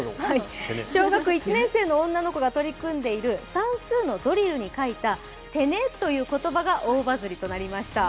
小学１年生の女の子が取り組んでいる算数のドリルに書いた「てね」という言葉が大バズりとなりました。